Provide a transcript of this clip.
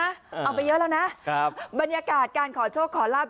เอาไปเยอะแล้วนะบรรยากาศการขอโชคคลาภสิทธิ์